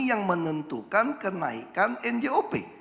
yang menentukan kenaikan ngop